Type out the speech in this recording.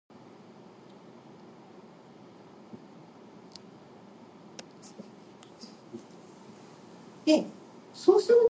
When the novel was being written Grossman’s brother Lev read an outline.